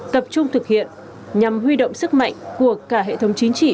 tập trung thực hiện nhằm huy động sức mạnh của cả hệ thống chính trị